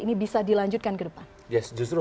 ini bisa dilanjutkan ke depan yes justru